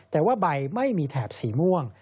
แต่ว่าใบไม่มีแถบสีม่วง